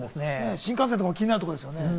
新幹線とか気になるところですね。